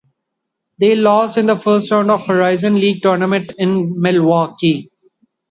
They lost in the first round of the Horizon League Tournament to Milwaukee.